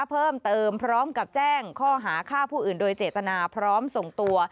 เพิ่มเติมพร้อมกับแจ้งข้อหาฆ่าผู้อื่นโดยเจตนาพร้อมส่งตัว